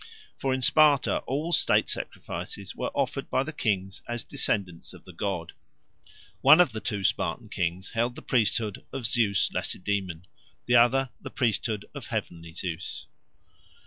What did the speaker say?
For in Sparta all state sacrifices were offered by the kings as descendants of the god. One of the two Spartan kings held the priesthood of Zeus Lacedaemon, the other the priesthood of Heavenly Zeus.